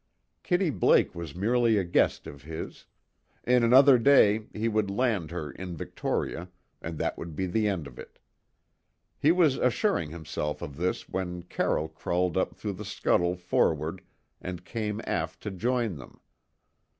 Kitty Blake was merely a guest of his; in another day he would land her in Victoria, and that would be the end of it. He was assuring himself of this when Carroll crawled up through the scuttle forward and came aft to join them.